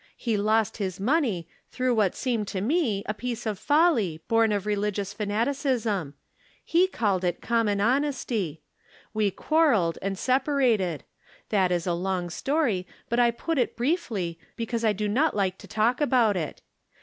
335 « He lost his money, through what seemed to me a piece of folly, born of religious fanaticism. He called it common honesty. We quarreled and separated. That is a long story, but I put it briefly, because I do not like to talk about it.